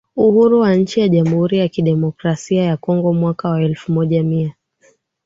uhuru wa nchi ya Jamhuri ya Kidemokrasia ya KongoMwaka wa elfu moja mia